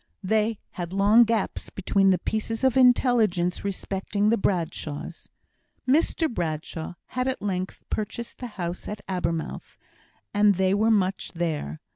They had long gaps between the pieces of intelligence respecting the Bradshaws. Mr Bradshaw had at length purchased the house at Abermouth, and they were much there.